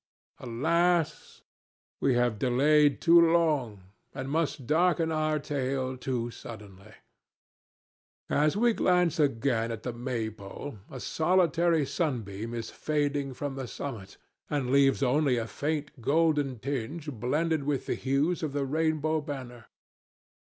Alas! we have delayed too long, and must darken our tale too suddenly. As we glance again at the Maypole a solitary sunbeam is fading from the summit, and leaves only a faint golden tinge blended with the hues of the rainbow banner.